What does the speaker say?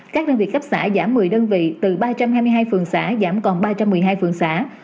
các đơn vị cấp xã giảm một mươi đơn vị từ ba trăm hai mươi hai phường xã giảm còn ba trăm một mươi hai phường xã